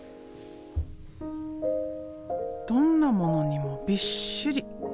どんなものにもびっしり。